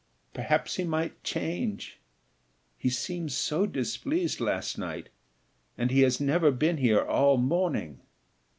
perhaps he might change. He seemed so displeased last night, and he has never been here all the morning!"